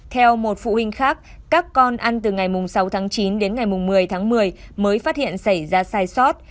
theo một phụ huynh khác các con ăn từ ngày sáu tháng chín đến ngày một mươi tháng một mươi mới phát hiện xảy ra sai sót